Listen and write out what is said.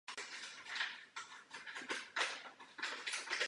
Bude to přínosem pro nás všechny.